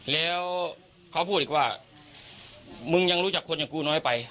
แล้วเขาพูดอีกว่ามึงยังรู้จักคนอย่างกูน้อยไป